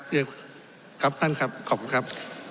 เรียกครับท่านครับขอบคุณครับ